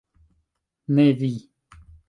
Ne vi.